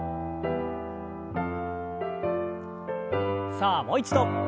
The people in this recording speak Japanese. さあもう一度。